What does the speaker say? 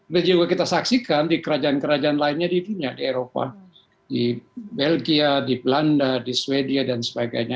dan juga kita saksikan di kerajaan kerajaan lainnya di dunia di eropa di belgia di belanda di sweden dan sebagainya